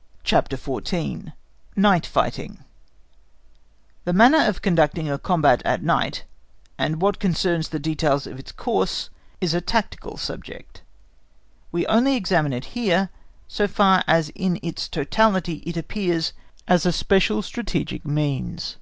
(*) June 19, 1757. () January 30, 1814. CHAPTER XIV. Night Fighting The manner of conducting a combat at night, and what concerns the details of its course, is a tactical subject; we only examine it here so far as in its totality it appears as a special strategic means.